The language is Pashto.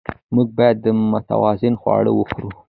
موږ باید متوازن خواړه وخورو